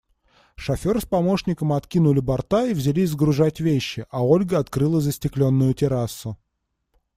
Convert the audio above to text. Шофер с помощником откинули борта и взялись сгружать вещи, а Ольга открыла застекленную террасу.